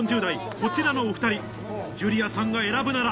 こちらのお２人ジュリアさんが選ぶなら？